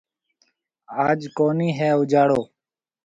آج ڪونِي هيَ اُجاݪو۔